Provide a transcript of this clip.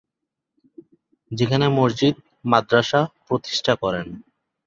সেখানে মসজিদ, মাদ্রাসা প্রতিষ্ঠা করেন।